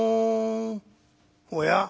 「おや？